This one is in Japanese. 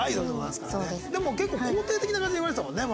結構肯定的な感じで言われてたもんね